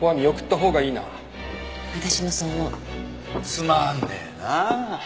つまんねえなあ。